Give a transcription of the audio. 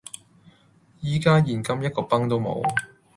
依家現金一個鏰都冇